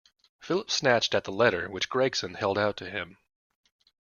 Philip snatched at the letter which Gregson held out to him.